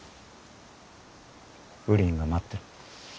ウリンが待ってる。